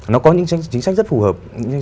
nó có những chính sách rất phù hợp